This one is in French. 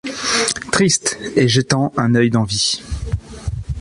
Triste et jétant un oeil d'envie